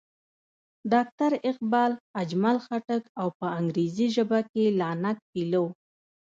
ډاکټر اقبال، اجمل خټک او پۀ انګريزي ژبه کښې لانګ فيلو